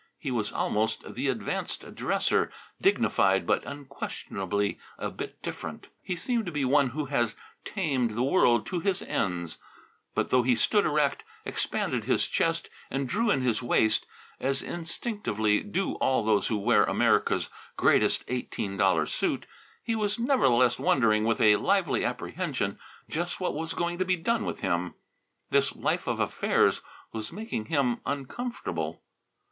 He was almost the advanced dresser, dignified but unquestionably a bit different. He seemed to be one who has tamed the world to his ends; but, though he stood erect, expanded his chest and drew in his waist, as instinctively do all those who wear America's greatest eighteen dollar suit, he was nevertheless wondering with a lively apprehension just what was going to be done with him. This life of "affairs" was making him uncomfortable.